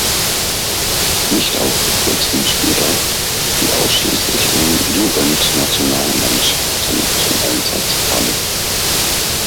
Nicht aufgeführt sind Spieler, die ausschließlich in Jugendnationalmannschaften zum Einsatz kamen.